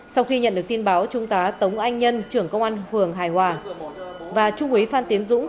sau khi nhận được tin báo trung tá tống anh nhân trưởng công an phường hài hòa và trung úy phan tiến dũng